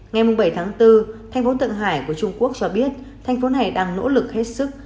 ngày bảy tháng bốn thành phố thượng hải của trung quốc cho biết thành phố này đang nỗ lực hết sức